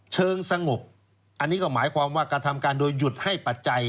เชิงสงบอันนี้ก็หมายความว่ากระทำการโดยหยุดให้ปัจจัย